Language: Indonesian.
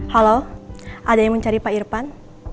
halo ada yang mencari pak irfan